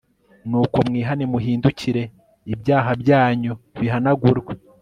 nuko mwihane muhindukire, ibyaha byanyu bihanagurwe